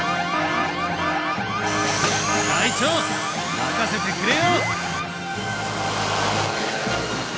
隊長任せてくれよ！